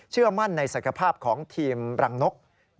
เชื่อมั่นในศักยภาพของทีมรังนก